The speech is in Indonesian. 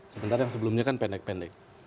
sementara yang sebelumnya kan pendek pendek